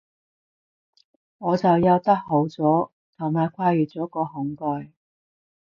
我就游得好咗，同埋跨越咗個恐懼